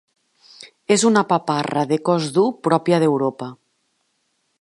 És una paparra de cos dur pròpia d'Europa.